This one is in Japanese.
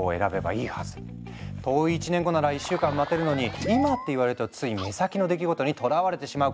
遠い１年後なら１週間待てるのに「今」って言われるとつい目先の出来事にとらわれてしまう。